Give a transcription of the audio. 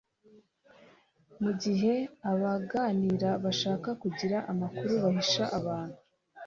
mu gihe abaganira bashaka kugira amakuru bahisha abantu